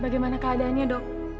bagaimana keadaannya dok